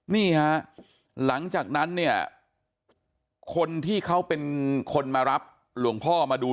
นี่ฮะหลังจากนั้นเนี่ยคนที่เขาเป็นคนมารับหลวงพ่อมาดู